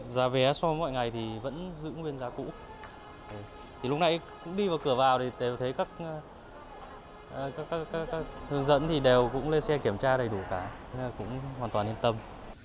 giá vé so với mọi ngày thì vẫn giữ nguyên giá cũ lúc nãy cũng đi vào cửa vào thì thấy các thường dẫn đều lên xe kiểm tra đầy đủ cả nên cũng hoàn toàn yên tâm